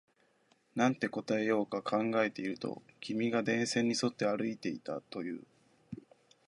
なんて答えようか考えていると、君が電線に沿って歩いていたと言う